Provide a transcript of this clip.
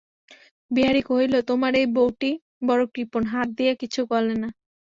বিহারী কহিল, তোমার এই বউটি বড়ো কৃপণ, হাত দিয়া কিছু গলে না।